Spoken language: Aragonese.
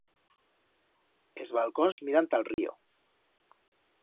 Es balcons miran ta'l río.